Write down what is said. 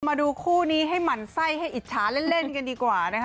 มาดูคู่นี้ให้หมั่นไส้ให้อิจฉาเล่นกันดีกว่านะคะ